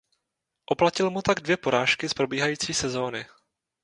Oplatil mu tak dvě porážky z probíhající sezóny.